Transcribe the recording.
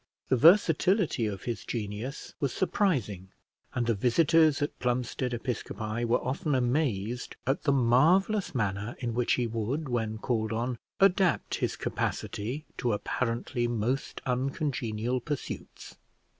The versatility of his genius was surprising, and the visitors at Plumstead Episcopi were often amazed at the marvellous manner in which he would, when called on, adapt his capacity to apparently most uncongenial pursuits.